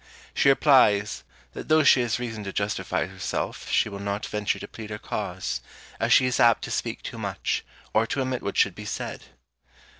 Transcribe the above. She replies, that though she has reason to justify herself, she will not venture to plead her cause, as she is apt to speak too much, or to omit what should be said.